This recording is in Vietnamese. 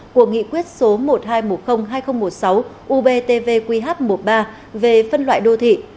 của nghị quyết số một hai một không hai không một sáu ubtvqh một mươi ba về phân loại đô thị